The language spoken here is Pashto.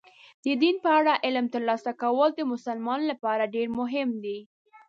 د دین په اړه علم ترلاسه کول د مسلمان لپاره ډېر مهم دي.